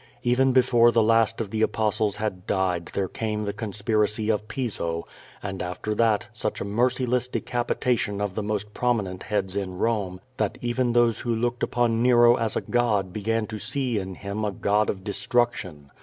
Even before the last of the Apostles had died there came the conspiracy of Piso, and after that, such a merciless decapitation of the most prominent heads in Rome that evcin those who looked upon Nero as a god began to see in him a god of destruction.